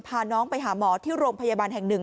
พาน้องไปหาหมอที่โรงพยาบาลแห่งหนึ่ง